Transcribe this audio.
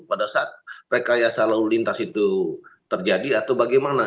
pada saat rekayasa lalu lintas itu terjadi atau bagaimana